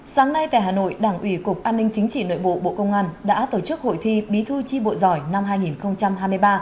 sáng nay tại hà nội đảng ủy cục an ninh chính trị nội bộ bộ công an đã tổ chức hội thi bí thư tri bộ giỏi năm hai nghìn hai mươi ba